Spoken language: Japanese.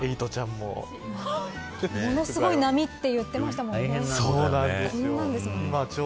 ものすごい波と言ってましたもんね。